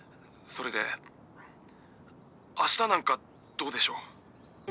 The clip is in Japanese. それであしたなんかどうでしょう？